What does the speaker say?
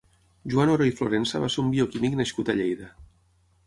Joan Oró i Florensa va ser un bioquímic nascut a Lleida.